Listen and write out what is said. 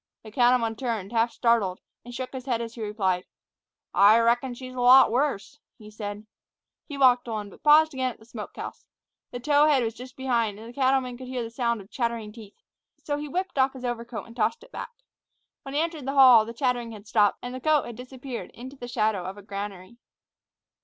The cattleman turned, half startled, and shook his head as he replied, "I reckon she's a lot worse," he said. He walked on, but paused again at the smoke house. The tow head was just behind, and the cattleman could hear the sound of chattering teeth; so he whipped off his overcoat and tossed it back. When he entered the hall the chattering had stopped, and the coat had disappeared into the shadow of a granary.